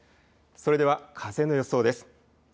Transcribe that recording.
それでは風の予想です。